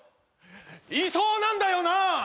いそうなんだよな？